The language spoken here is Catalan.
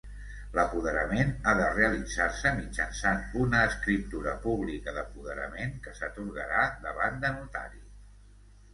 L'apoderament ha de realitzar-se mitjançant una escriptura pública d'apoderament que s'atorgarà davant de notari.